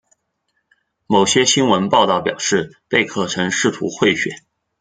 某些新闻报道表示贝克曾试图贿选。